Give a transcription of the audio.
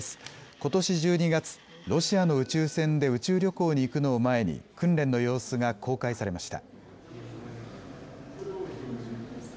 ことし１２月、ロシアの宇宙船で宇宙旅行に行くのを前に訓練の様子が公開されました。